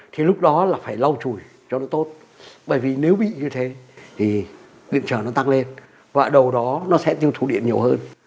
thì lúc đó là phải lau chùi cho nó tốt bởi vì nếu bị như thế thì điện trở nó tăng lên và đầu đó nó sẽ tiêu thụ điện nhiều hơn